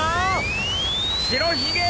白ひげ